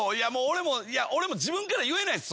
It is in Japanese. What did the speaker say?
俺も自分から言えないです